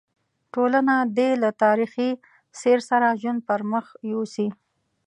ټولنه دې له تاریخي سیر سره ژوند پر مخ یوسي.